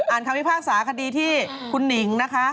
อ่านความวิภาคสาคดีที่คุณนิงนะคะ